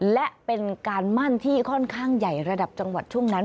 และเป็นการมั่นที่ค่อนข้างใหญ่ระดับจังหวัดช่วงนั้น